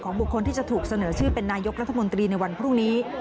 บุคคลที่จะถูกเสนอชื่อเป็นนายกรัฐมนตรีในวันพรุ่งนี้